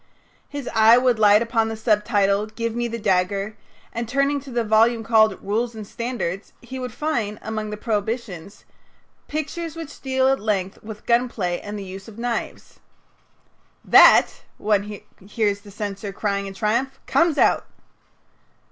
His eye would light upon the subtitle "Give me the dagger," and, turning to the volume called "Rules and Standards," he would find among the prohibitions: "Pictures which deal at length with gun play, and the use of knives." "That," one hears the censor crying in triumph, "comes out."